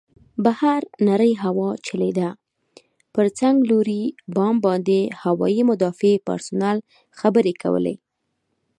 بهر نرۍ هوا چلېده، پر څنګلوري بام باندې هوايي مدافع پرسونل خبرې کولې.